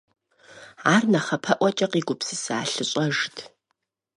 Ар нэхъапэӀуэкӀэ къигупсыса лъыщӀэжт.